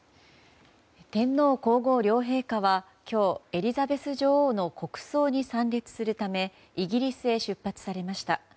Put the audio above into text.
天皇・皇后両陛下は今日、エリザベス女王の国葬に参列するためイギリスへ出発しました。